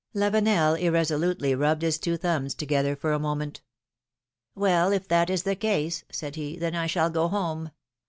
^^ Lavenel irresolutely rubbed his two thumbs together for a moment. Well, if that is the case,^^ said he, ^^then I shall go home.